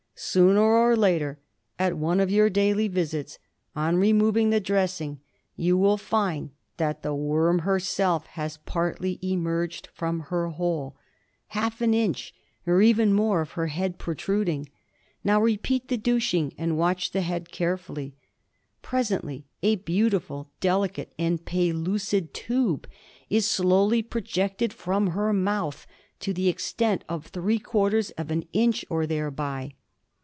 GUINEA WORM. 35 Sooner or later, at one of your daily visits, on removing the dressing you will find that the worm herself has partly emerged from her hole, half an inch or even more of her head protruding. Now repeat the douching and watch the head carefully. Presently a beautiful delicate and pellucid tube is slowly projected from her mouth to the extent of three quarters of an inch or thereby.